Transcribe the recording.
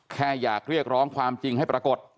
แค่อยากเรียกร้องความจริงให้ปรากฏ